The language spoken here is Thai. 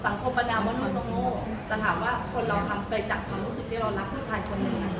คมปัญญามดมันก็โง่จะถามว่าคนเราทำไปจากความรู้สึกที่เรารักผู้ชายคนหนึ่ง